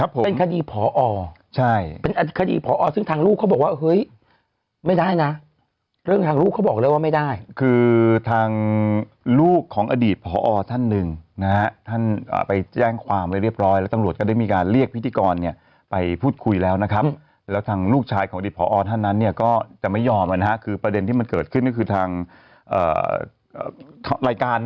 เป็นคดีพอใช่เป็นคดีพอซึ่งทางลูกเขาบอกว่าเฮ้ยไม่ได้นะเรื่องทางลูกเขาบอกเลยว่าไม่ได้คือทางลูกของอดีตผอท่านหนึ่งนะฮะท่านไปแจ้งความไว้เรียบร้อยแล้วตำรวจก็ได้มีการเรียกพิธีกรเนี่ยไปพูดคุยแล้วนะครับแล้วทางลูกชายของอดีตพอท่านนั้นเนี่ยก็จะไม่ยอมนะฮะคือประเด็นที่มันเกิดขึ้นก็คือทางรายการ